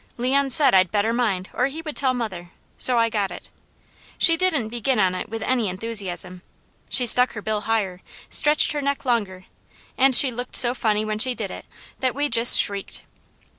Leon said I better mind or he would tell mother, so I got it. She didn't begin on it with any enthusiasm. She stuck her bill higher, stretched her neck longer, and she looked so funny when she did it, that we just shrieked.